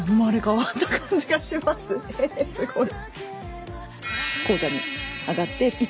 すごい。